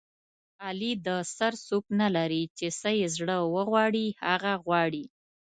علي د سر څوک نه لري چې څه یې زړه و غواړي هغه غواړي.